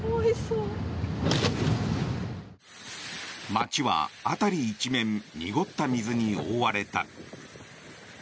街は辺り一面濁った水に覆われた。